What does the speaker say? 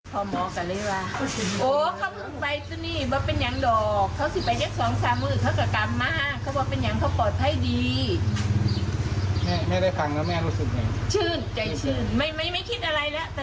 ก็จะกลับมาบ้านในสภาพแบบนี้ครับ